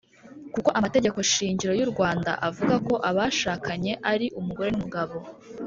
kuko amategeko shingiro y’urwanda avuga ko abashakanye ari umugore n’umugabo.